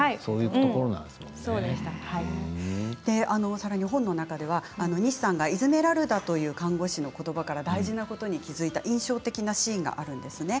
さらに本の中では西さんがイズメラルダという看護師の言葉から大事なことに気付く印象的なシーンがあります。